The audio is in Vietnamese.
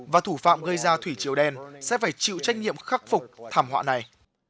và thủ phạm gây ra thủy triều đen sẽ phải chịu trách nhiệm khắc phục thảm họa này